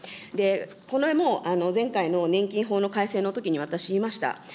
これも前回の年金法の改正のときに私言いました。